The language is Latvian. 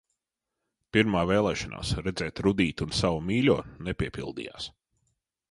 Pirmā vēlēšanās, redzēt Rudīti un savu mīļo nepiepildījās.